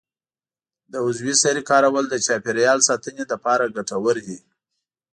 د عضوي سرې کارول د چاپیریال ساتنې لپاره ګټور دي.